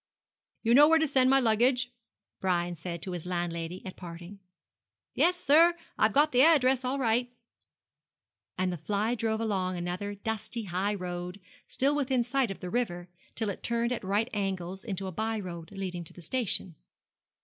'You know where to send my luggage,' Brian said to his landlady at parting. 'Yes, sir, I've got the address all right;' and the fly drove along another dusty high road, still within sight of the river, till it turned at right angles into a bye road leading to the station.